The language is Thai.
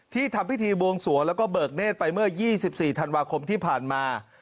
ทำพิธีบวงสวงแล้วก็เบิกเนธไปเมื่อ๒๔ธันวาคมที่ผ่านมา